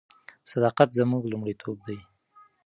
صداقت زموږ لومړیتوب دی.